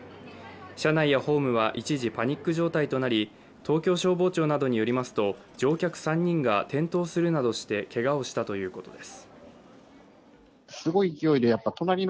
車内やホームは一時パニック状態となり東京消防庁などによりますと、乗客３人が転倒するなどしてけがをしたということです。